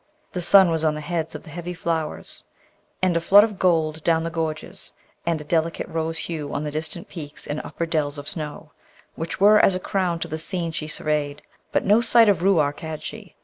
The sun was on the heads of the heavy flowers, and a flood of gold down the gorges, and a delicate rose hue on the distant peaks and upper dells of snow, which were as a crown to the scene she surveyed; but no sight of Ruark had she.